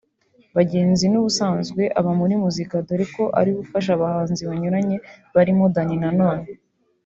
Bagenzi n’ubusanzwe aba muri muzika dore ko ari we ufasha abahanzi banyuranye barimo Danny Nanone